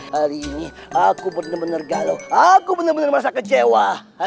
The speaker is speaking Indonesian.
hari ini aku bener bener galau aku bener bener merasa kecewa